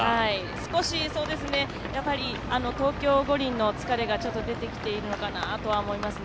少し東京五輪の疲れが出てきているのかなと思いますね。